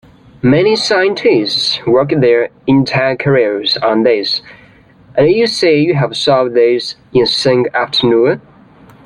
Many scientists work their entire careers on this, and you say you have solved this in a single afternoon?